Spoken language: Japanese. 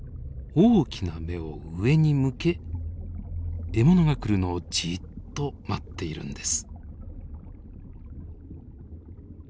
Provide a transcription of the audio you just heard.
大きな目を上に向け獲物が来るのをじっと待っているんです。